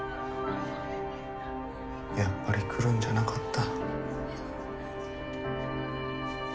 やっぱり来るんじゃなかった。